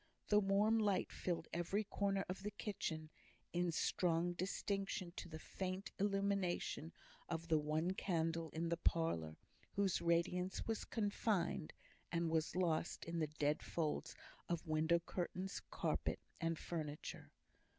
The warm light filled every corner of the kitchen, in strong distinction to the faint illumination of the one candle in the parlour, whose radiance was confined, and was lost in the dead folds of window curtains, carpet, and furniture.